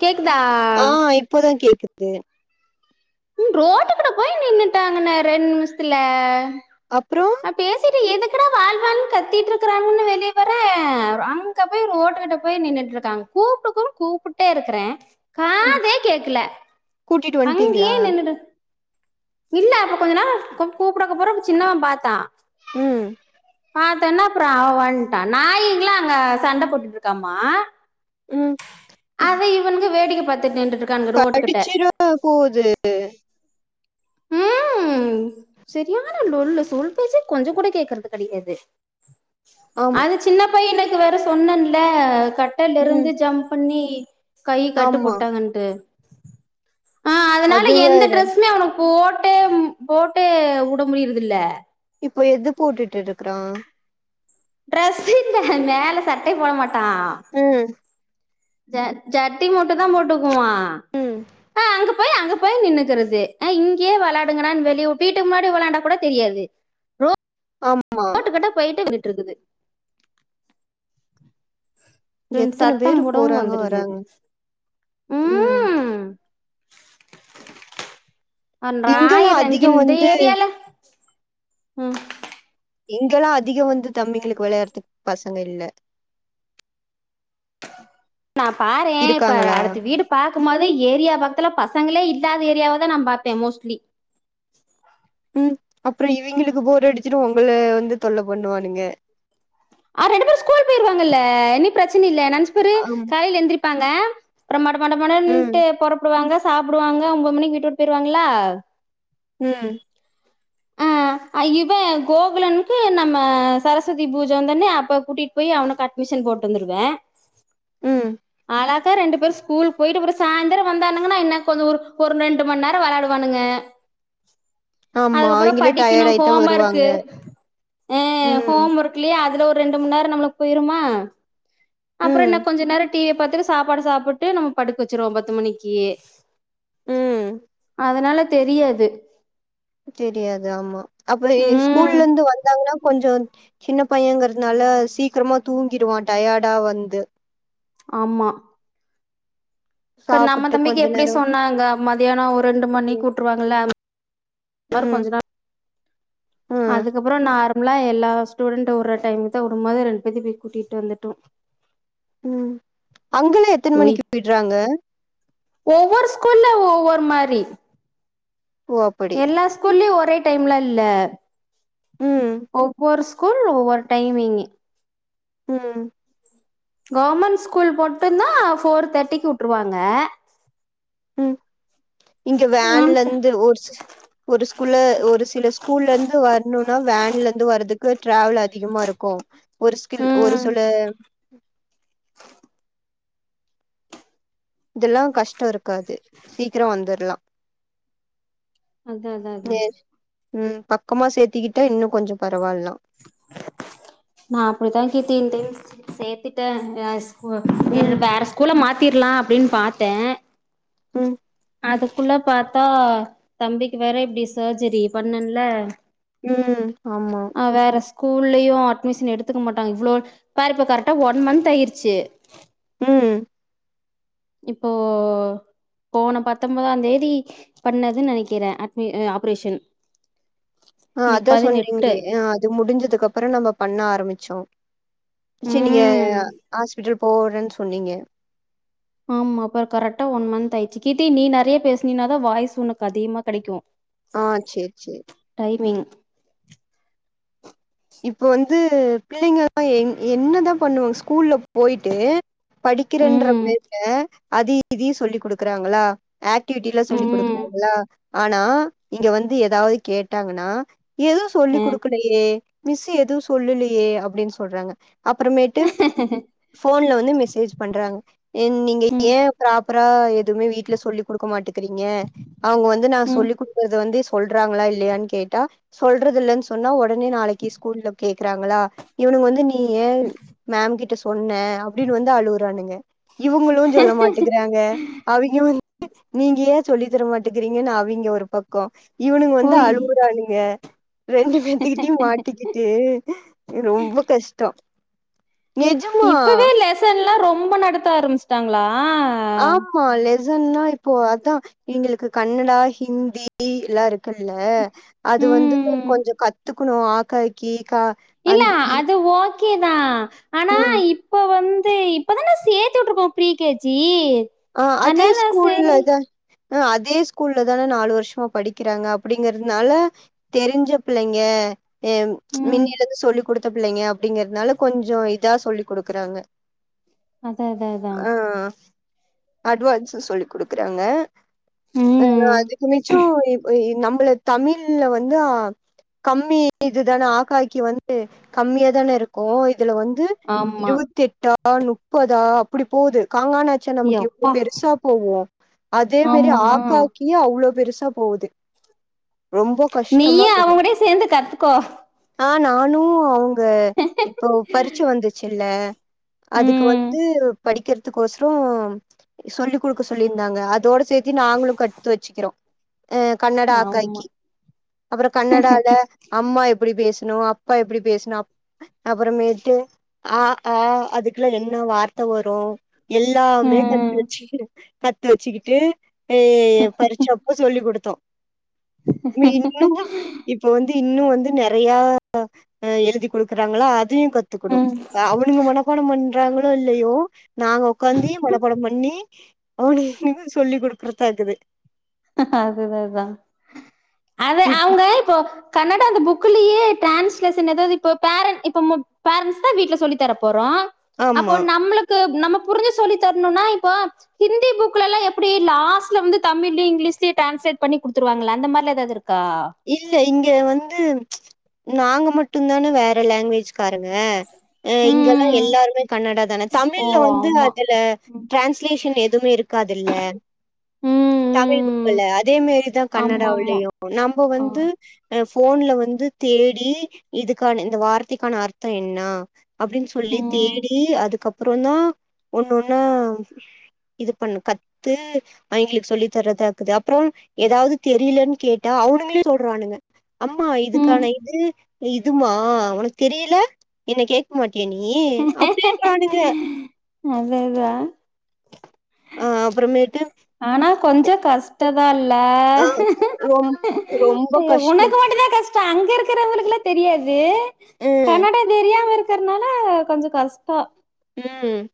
Cake குதா து உம் ரோட்டு கட போய் நின்னுட்டாங்கன்ன ரெண்டு நிம்ஷத்துல அப்றோ நா பேசிட்டு எதுக் குடா வாள்வாள்ன்னு கத்திட்டு இருக்கறாங்கன்னு வெளிய வர அங்க போய் ரோட்டு கிட்ட போய் நின்னுட்டு இருக்காங்க கூப்பிட்டு கூப்டுட்டே இருக்றேன் ம் காதே கேக்கல கூட்டிட்டு வந்ட்டீங்ளா அங்கயே நின்னுட்டு இல்ல அப்ப கொஞ்ச நாள் கூப்பிடக்க போறோ சின்னவன் பாத்தான் உம் பாத்தொன்ன அப்பறோ அவ வந்ட்டா நாயிங்களா அங்க சண்ட போட்டுட்டுருக்காமா ம் அத இவனுக்கு வேடிக்க பாத்துட் நின்று கடிச்சிற போது உம் செரியான லொள்ளு சொல் பேச்சே கொஞ்சம் கூட கேக்றது கெடையாது ஆமா அது சின்னப் அப்ப எனக்கு வேற சொன்னன்ல ம் கட்டலருந்து ஜம்ப் பண்ணி கை கட்டு ஆமா போட்டாங்கன்ட்டு ஆஹ் அதனால அது எந்த வேற டிரெஸ்மே அவனுக் போட்டு போட்டு வுட முடிறதில்ல இப்ப எது போட்டுட்டு இருக்றான் ட்ரெஸ் இ மேல சட்டை போட மாட்டே உம் [unintelligible] ஜட்டி மட்டு தான் போட்டுக்குவான் ம் அஹ் அங்க போய் அங்க போய் நின்னுக்கிறது இங்கே விளாங்காடா வெளிய வீட்டுக்கு முன்னாடி விளான்டா கூட தெரியாது ரோ ஆமா ட்டுக்குது ரெண்டு எத்தன சத்தம் பேரு கூடவோ போறாங்க வராங்க வந்துருக்குது ம் உம் ஒன்ற இங்கெல்லா ஆயிரம் அங்க அதிகோ இந்த வந்து ஏரியால உம் எங்கெல்லா அதிகோ வந்து தம்பிகளுக்கு விளையாடுறக்கு பசங்க இல்ல நா பாறேன் இப்ப இருக்காங்களா அடுத்த வீடு பார்க்கும் போது ஏரியா பக்கத்துல பச பசங்களே இல்லாத ஏரியாவ தான் நா பாார்பேன் மோஸ்ட்லி அப்புறம் இவங்களுக்கு போர் அடிச்சுட்டு உங்க வந்து தொல்லை பண்ணுவானுங்க ஆ ரெண்டு பேரோ ஸ்கூல் போயிருவாங்கல்ல இனி பிரச்சன இல்ல நஞ்ச்பரு ஆம் காலையில எந்திரிப் பாங்க அறம்மாட ம் மடமட்டு புறப்படுவாங்க சாப்பிடுவாங்க ஒம்பது மண்ணிக்கு வீட்டுட்டு போயடுவாங்களா உம் ஆஹ் இவன் கோகுலனுக்கு நம்ம சரஸ்வதி பூஜை தானே அப்ப கூட்டிட்டு போய் அவனுக்கு அட்மிஷன் போட்டு வந்துடுவேன் உம் அழகா ரெண்டு பேர் ஸ்கூல் போயிட்டு அப்புறம் சாய்ந்திரம் வந்தானுங்கன்னா இன்ன கொஞ்சம் ஒரு ஒரு ரெண்டு மணி நேரம் விளையாடுவானுங்க ஆமா அதுக்கப்புறம் அவிங்களே டயர்ட் படிக்கணும் ஆயிட்டா ஹோம் வருவாங்க ஒர்க்கு அஹ் ம் ஹோம் ஒர்க்லயே அதுல ஒரு ரெண்டு மணி நேரோ நம்மளுக்கு போயிருமா அப்புறம் ம் என்ன கொஞ்சம் நேரம் டிவி பாத்துட்டு சாப்பாடு சாப்பிட்டு நம்ம படுக்க வச்சருவோம் பத்து மணிக்கு உம் அதனால தெரியாது தெரியாது ஆமா அப்படி ம் ஸ்கூல்ல இருந்து வந்தாங்கன்னா கொஞ்சம் சின்ன பையங்கிறதுனால சீக்கிரமா தூங்கிடுவான் டயர்டா வந்து ஆமா இப்ப நம்ம சாப்புட்டு தம்பிக்கு கொஞ்ச எப்படி நேரோ சொன்னாங்க மத்தியானம் ஒரு ரெண்டு மணி உட்டுருவாங்க உம் அதுக்கப்புறம் நார லாம் எல்லா ஸ்டூடண்ட் உற டைம் தான் உடுப்பது ரெண்டு பேதையும் போய் கூட்டிட்டு வந்துட்டோ உம் அங்கல்லா எத்தன மணிக்கு விய்ட்றாங்க ஓவ்வோர் ஸ்கூல்ல ஒவ்வொரு மாரி ஓ அப்படி எல்லா ஸ்கூல்லயும் ஒரே டைம்ல இல்ல ம் ஒவ்வொரு ஸ்கூல் ஒவ்வொரு டைமிங்க உம் கவர்மெண்ட் ஸ்கூல் மட்டும் தான் போஃர் தேர்ட்டிக்கு விட்டுருவாங்க உம் இங்க வேன்ல இந்து ஒரு ஒரு ஸ்கூல்ல ஒரு சில ஸ்கூல்ல இருந்து வரணும்னா வேன் இதுல இருந்து வர்றதுக்கு டிராவல் அதிகமா இருக்கு ஒரு ஸ்கில் ஒரு ம் செல உம் இதெல்லாம் கஷ்டம் இருக் இருக்காது சீக்கிரம் வந்துரலாம் அதா அதா அதா உம் பக்கமா சேர்த்திக்கிட்டா இன்னும் கொஞ்சம் பரவாயில்லாம் நா அப்டித்தா கீத்தின்டயு சேத்துட்ட உ ம் என்னோட வேற ஸ்கூல மாத் த்திர்லா அப்படின்னு பாத்தே உம் அதுக்குள்ள பாத்தா தம்பிக்கு வேற இப்டி சர்ஜரி பண்ணன்ல உம் ஆமா கூல்லயு அட்மிஷன் எடுத்துக்க மாட்டாங் இவ்ளோ பாருப்ப கரெக்டா ஒன் மந்த் ஆயிருச்சு உம் இப்போ போன பத்தொபுதா தேதி பண்ணது நெனக்கிறே அட்மி ஆப்ரேஷன் அஹ் இன்னைக்கு அதா பதினெட்டு சொன்னீங்களே அஹ் அது முடிஞ்சதுக்கு அப்பற நம்ம பண்ண ஆரம்மிச்சோ செரி நீங்க ம் ஹாஸ்பிட்டல் போறேன் சொன்னீங்க ஆமா அப்புறம் கரெக்டா ஒன் மந்த்த் ஆயிடுச்சு கீத்தி நீ நெறைய பேசுனீனாதான் வாய்ஸ் உனக்கு அதிகமா கிடைக்கு ஆஹ் சேர் சேர் இப்ப வந்து பிள்ளைங்க என்னதா பண்ணுவாங்க ஸ்கூல்ல போயிட்டு படிக்கிறேன்ற ம், பேருல அது இதி சொல்லி குடுக்குறாங்ளா ஆக்டிவிட்ட லா சொல்லி ம், கொடுக்குறாங்களா ஆனா இங்க வந்து ஏதாவது கேட்டாங்கன்னா எதுவும் சொல்லி அ. கொடுக்கலையே மிஸு எதுவு சொல்லலையே அப்டின்னு சொல்றாங்க அப்புறமேட்டு போன்ல வந்து மெசேஜ் பண்றாங்க நீங்க ம், ஏன் ப்ராப்பரா எதுவுமே வீட்டுல சொல்லிக் கொடுக்க மாட்றீங்க இருக்கிரிங்க அவங்க வந்து நான் ம். சொல்லி் கொடுறது வந்து சொல்றாங்களா இல்லயானு கேட்டா சொல்றதில்லனு சொன்னா ஒடனே நாளைக் கி ஸ்கூல்ல கேக்குறாங்களா இவனுங்க வந்து நீ ஏ மேம் கிட்ட சொன்னே அப்படின்னு வந்து அழுவுறானுங்க இவுங்களு சொல்ல மாட்டுங்கறாங்க அவிங்களு நீங்க ஏ சொல்லி தரமாட்டேங்கிறீங்கன்னு அவங்க ஒரு பக்கம் ஈவுனிங் வந்து ஓய்! அழுவுரான்ங்க ரெண்டு பேத்துக்கிட்டயு மாட் டிகிட்டு ரொம்ப கஷ்ட இப்பவே லெசன் லா ரொம் ரொம்ப நடத்த ஆரம்பிச்சுட்டாங்களா ஆமா லேத் லெசன்னா இப்போ அதா இவங்களுக்கு கன்னடா ஹிந்தி எல்லா இருக்குல்ல அது வந்து ம். கொஞ்ச கத்து க்கணு ஆகாகி இல்ல அது ஓ கேதா ம் இப்பதான சேர்த்து விட்டிருக்கோம் ப்ரிகேஜி ஆ அதே ஸ்கூல்லதா அதே ஸ்கூல்ல தானே நாலு வருஷமா படிக்கிறாங்க அப்படிங்கறதுனால தெரிஞ்ச பிள்ளைங்க ஏம் ம். இன்னைல இருந்து சொல்லி் கொடுத் அத்த பிள்ளைங்க அப்படிங்கிறதுனால கொஞ்சம் இது இதா சொல்லி் கொடுக்குறாங்க அதான், அதான், அதான். ஆ அட்வான்ஸ் சொல்லி குடுக்குறாங்க ஆ ம். அதுக்கு மிச்சம் இப்ப இது நம்மள தமிழ்ல வந்து கம்மி இதுதானே ஆ கா கி வந்து கம்மியா தானே இருக்கு இதுல வந்து ஆமா. இருபத்தி எட்டா முப்பதா அப்படி போகுது காங்கணாச்சா நமுக்கியு இப்ப எப்பா! பெருசா போவோம் அதே மாரி ஆமா. ஆக்காக்கி இவ்ளோ பெருசா போவுது நீயும் அவங்கூடவே சேர்ந்து கத்துக்கோ ஆஹ நானு அவ் இப்ப இப்போ பறிச்சு வந்துச்சுல்ல அதுக்கு ம் வந்து படிக்கர் இதுக்கொசர சொல்லி கொடுக்க சொல்லியிருந்தாங்க அதோட சேர்த்தி நாங்களும் கத்து வச்சுக்கிறோ அஹ் கன்னடா ஆமா அக்காய்கி அப்புறம் கன்னடால அம்மா எப்படி பேச னோ அப்பா எப்படி பேசணும் அப்புறமேட்டு அ ஆ அதுக்குள்ள என்ன வார்த்தை வரும் எல்லா மே ம் [unintelligible] கத்து வச்சுக்கிட்டு ஹே பறிச்சப்போ சொல்லி கொடுத்தோம் நீ இன்னுமு இப்ப வந்து இன்னும் வந்து நெறையா அ எழுதி கொடுக்குறாங்களா அ அதையும் ம் கத்துக்கடும்னும் அவனுங்க மனப்பாடம் பண் பண்றாங்களோ இல்லையோ நாங்க ஒக்காந்தி மன நீ ஓ நீங்களு சொல்லி கொடுக்குறதாக்குது அதுதான் அதான் அத இப் அவங்க இப்போ கன்னடா அந்த புக் உக்குலேயே டிரான்ஸ்லேசன் எதாவது இப்ப பேர்ன் இப்ப ம பேரன்ஸ் தான் வீட்டல சொல்லி தர போறோம் அப்போ ஆமா நம்மளுக்கு நமக் புரிஞ்சு சொல்லி தரணும்னா இப்ப ஹிந்தி புக்லெல்லாம் எப்படி லாஸ்ட்ல வந்து தமிழு லஸ்ட்லே ட்ரான்ஸ்லட் பண்ணி குடுத்துருவாங்களா அந்த மாில ஏதாவது இருக் இல்ல இங்க வந்து நாங்க மட்டும் தானே வேற லாங்குவேஜ் க்காருங்க அஹ் இங்கெல்லாம் ம் எல்லாருமே கன்னடா தானே ஓ தமிழ்ல வந்து ஆமா அதுல ம் டிரான்ஸ்லேஷன் எது தும்முயிரு இருக்காதுல்ல ம் தமிழ் ம் புக்குல அதேமாரிதான் ஆமா ஆமா கன்னடாவிலயும் நம் ஆ வந்து போன்ல வந்து தேடி இதுக்கான இந்த வார்த்தைக்கான அர்த்தம் என்ன அப்படின்னு சொல்லி ம் தேடி அதுக்கப் அப்புற தான் ஒண்ணு ஒன்னா இது பண்ண கத்து அவங்களுக்கு சொல்லி தரதா இருக்குது அப்புறம் ஏதாவது தெரியலன்னு கேட்டா அவனு லேள சொல்றானுங்க அம்மா ம் இதுக்கான இது இதுமா உனக்கு தெரியல என்ன கேக்க மாட் கே நீயே அப்படின்றினுங்க அதேதான் ஆ அப்றமேட்டு ஆனா கொஞ்சம் கஷ்டதான் இல்ல ரொம் ரொம்ப ஐயோ கஷ்டோ உனக்கு மட்டும் தான் கஷ்டம் அங்க இருக் இருக்கிறவங்களுகெல்லா தெரியாது ம் கனடா தெரியாம இருக் இருக்கிறனால கொஞ்சம் கஷ்ட உம்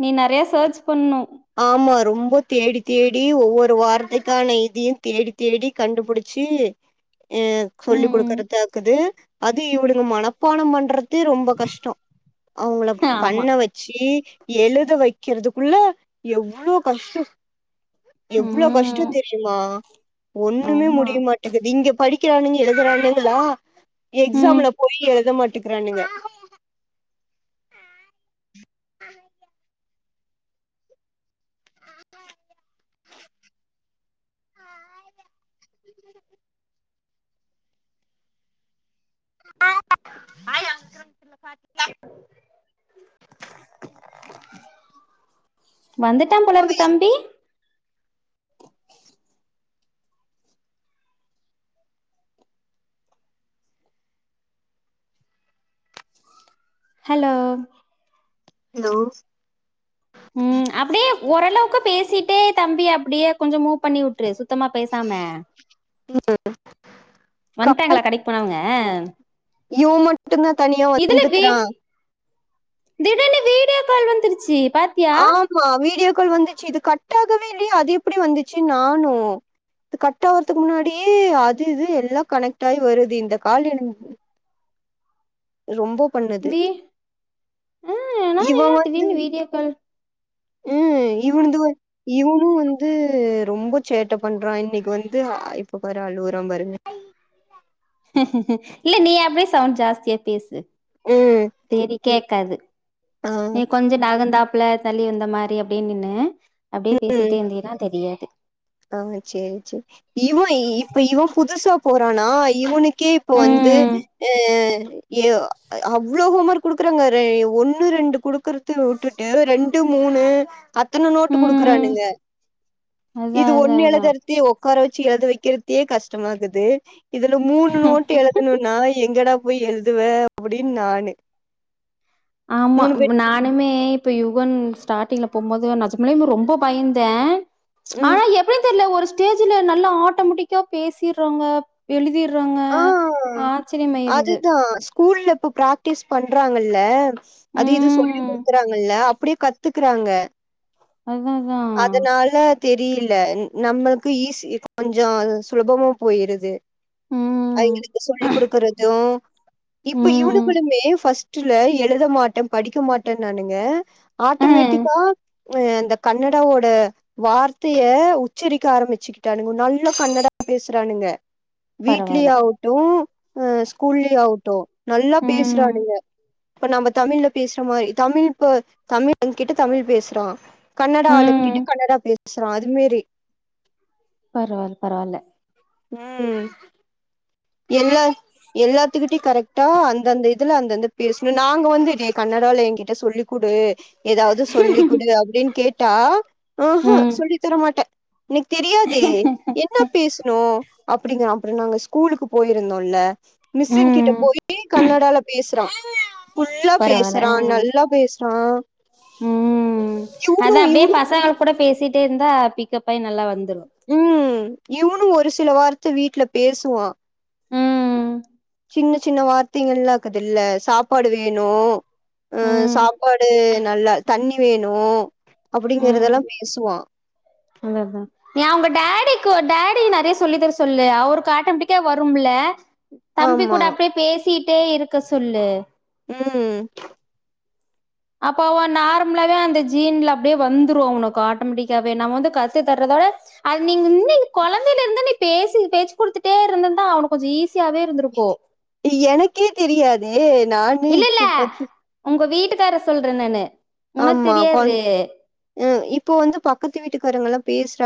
நீ நெறைய சர்ச் பண்ணும் ஆமா ரொம்ப தேடித்தேடி ஒவ்வொரு வாரத்துக்கான இதையும் தேடித்தேடி கண்டுபிடிச்சு அஹ் சொல்லி ம் கொடுக்குறதாக்குது அது இவனுங்க மனப்பானம் பண்றதுக் து ரொம்ப கஷ்டம் அவங்கள ஆமா பண்ண வச்சு எழுத வைக்கிறதுக்குள்ள எவ்ளோ கஷ்டம் எவ்ளோ ம் கஷ்டம் தெரியுமா ஒண்ணுமே ஆமா முடிய மாட்டேங்குது இங்க படி க்கிறானங்க எழுதுறானுங்களா ம் எக்ஸாம்ல போய் எழுதமாட் ட்டிக்கிறானுங்க [inaudible] வந்துட்டான் போலயிருக்கு தம்பி ஹலோ ஹலோ உம் அப்படியே ஓரளவுக்கு பேசிட்டே தம்பி அப்படியே கொஞ்சம் மூவ் பண்ணி விட் சுத்தமா பேசாம வட்டாங்களா கடைக்கு போனவங்க ம் இவ மட்டும்தான் தனியா வி ஒத்துன்றிருக்கிறான் திடீர்னு வீடியோ கால் வந்துருச்சு பாத்தியா ஆமா வீடியோ. கள் வந்துச்சு இது கட் ஆகவே இல்லையே அது எப்படி வந்துச்சு நானு. இது கட் ஆகறதுக்கு முன்னாடியே அது இது எல்லாம கனெக்ட் ஆகி வருது இந்த கால் எனக்கு ரொம்ப. பண்ணது. வீ இவ வந்து. க்கல். இவனுது இவனு வந்து ரொம்ப சேட்ட பண்றா இன்னிக்கு வந்து இப்ப பாரு அலுவுறா பாருங்க. ஹஹ இல்ல நீ அப்படியே சவுண்ட் ஜாஸ்தியா பேசு. ம். சேரி. கேக்காது. ஆ, நீ கொஞ்சோ நகந்தாப். ள்ள தள்ளி வந்த மாரி அப்படியே நின்னு. அப்டியே பேசிட்டே இருதின்னா தெரியா. [inaudible] ஆஹ சேரி சேரி இவ இப்ப இவ புதுசா. போறானா இவனுக். கே இப்போ வந்து ம் அஹ. ஏ அவ்வளவு ஹோம் ஒர்க் குடுக்குறாங்க ஒண்ணு ரெண்டு குடுக்குறது வுட்டுட்டு ரெண்டு மூணு. அத்தன நோட்டு ம் குடுக்குறானுங்க. அதா இது அதா ஒண்ணு அதா எளுதுரதுக்கே ஒக். காற வச்சு எழுத வைக்கிறதுக்கே கஷ்டமா இருக்குது. இதுல மூணு நோட்டு எழுதணும்னா எங்கடா. போய் எழுதுவ அப்படின்னு நானு. ஆமா பேர் நானுமே. இப்ப யுகன் ஸ்டார்ட்டிங்ல போகும்போது நிஜமாலே ரொம்ப பயந்த. ஆ ம். எப்டி தெரியல ஒரு. ஸ்டேஜ்ல நல்லா ஆட்டோமெட்டிக்கா பேசிறாங்க எழுதி. றாங்க ஆ ஆச்சிரியமாயிருது. அதுதான் ஸ்கூல்ல இப்போ பிராக்டிஸ் பண்றாங்கள்ள. அது இது சொல்லி ம் குடுக்குறாங்கல்ல. அப்படியே கத்துக்குறாங்க. அததா. தெரியல நம்மளுக்கு ஈஸி கொஞ்சோ சுலபமா போயிருது. ம் அவங்களுக்கு சொல்லி் குடுக்குறது இப்ப ம் இவனுங்களுமே ஃபஸ்ட். சுற்றுல எழுத மாட்ட படிக்க மாட்டனானுங்க. அ ஆட்டுமேட்டிக்கா ம்ம் அந்த கன்னடவோட வார்த்தய உச்சரிக்க ஆரம்பிச்சுகிட்டானுங்க நல்ல கன்னட பேசுறானுங்க வீட்லயே பரவால்ல ஆவடும் அ ஸ்கூல்லி அவுட்டோ நல்லா ம் பேசுறனுங்க இப்ப நம்ம தமிழ்ல பேசுற மாரி தமிழ் இப்ப தமிழ் கிட்ட தமிழ் பேசுறான் கன்னடாளு ம் கிட்டு கன்னடா பேசுறான் அது மெரி பரவாயில்ல பரவாயில்ல உம் எல்லா எல்லாத்துக்கிட்டயும் கரெக்டா அ அந்த இதுல அந்தந்த பேசு நாங்க வந்து இ கன்னடால என்கிட்ட சொல்லிக்குடு ஏதாவது சொல்லி்க்குடு அப்டின்னு கேட்டா அ அ ம் சொல்லி தரமாட்டன் என்கு தெரியாதே என்ன பேசுணோ அப்டிங்க அப்புறம் நாங்க ஸ்கூலுக்கு போயிருந்தோல்ல மிஸ்ங் கிட்ட ம் போயி கன்னடால பேசறான் புல்லா பரவால்ல அ பேசறான் நல்லா பேசறான் ம் உ னு இவனுது டேந்தா பிக்ப் பைனு உம் இவனும் ஒரு சில வார்த்த வீட்ல பேசுவான் உம் சின்ன சின்ன வார்த்தைகலாக்குதில்ல சாப்பாடு வேணும் அ ம் சாப்பாடு நல்லா தண்ணி வேணும் உம் அதா அதான் ஏன் உங்க டேடி டடி நிறய சொல்லி தர சொல்லு அவருக்கு ஆட்டோமெட்டிக்கா வரும்ல தம்பி ஆமா கூட அப்டியே பேசி கத்திட்டே இருக்க சொல்லு உம் அப்ப அவன் நார்மலாவே அந்த ஜீன்ல அப்டியே வந்துரும் அவனக்கு ஆட்டோமேட்டிக்காவே நம்ம வந்து கத்து தர்றதோட அன் நீங்க இன்னிங் குழந்தையில இருந்தே நீ பேசி பேச்சு குடுத்துட்டே இருந்துன தான் அவனுக்கு கொஞ்சம் ஈசி எனக்கே தெரியாது ஏ இல்ல இல்ல உங்க வீ ட்டுக்கார சொல்றன் நானு உனக்கு தெரியாது ம் இப்போ வந்து பக்கத்து வீட்டுக்காரங்கல்லாம் பேசுறாங்